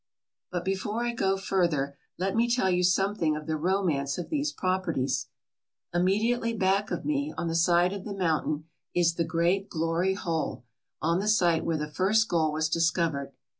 But before I go further let me tell you something of the romance of these properties. Immediately back of me on the side of the mountain is the great Glory Hole, on the site where the first gold was discovered.